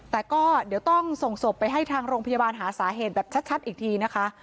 แต่ก็เดี๋ยวต้องส่งศพไปให้ทางโรงพยาบาลหาสาเหตุแบบชัดอีกทีนะคะ